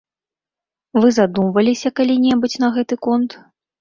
Вы задумваліся калі-небудзь на гэты конт?